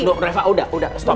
udah reva udah stop stop